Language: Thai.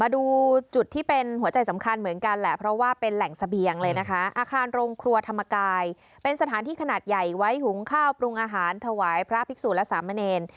ดูจุดที่เป็นหัวใจสำคัญเหมือนกันแหละเพราะว่าเป็นแหล่งเสบียงเลยนะคะอาคารโรงครัวธรรมกายเป็นสถานที่ขนาดใหญ่ไว้หุงข้าวปรุงอาหารถวายพระภิกษุและสามเณร